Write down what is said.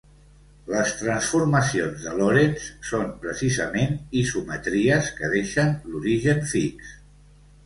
Les transformacions de Lorentz són, precisament, isometries que deixen l'origen fix.